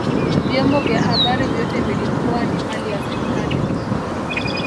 vyombo vya habari vyote vilikuwa ni mali ya serikali